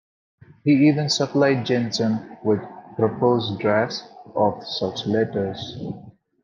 He even supplied Jensen with proposed drafts of such letters.